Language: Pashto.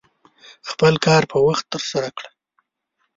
خپل کار په وخت ترسره کړه.